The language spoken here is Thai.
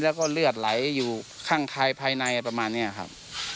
แล้วก็เลือดไหลอยู่ข้างคายภายในประมาณนี้ครับ